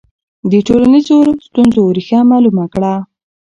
د ټولنیزو ستونزو ریښه معلومه کړه.